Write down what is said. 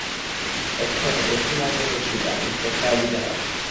এক্ষণে একটি মাত্র পত্রিকা মি স্টার্ডি চালাবেন।